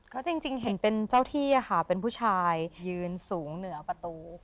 ก็จริงเห็นเป็นเจ้าที่ค่ะเป็นผู้ชายยืนสูงเหนือประตู